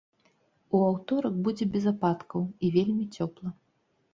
У аўторак будзе без ападкаў і вельмі цёпла.